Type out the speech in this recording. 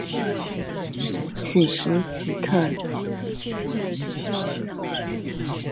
此時此刻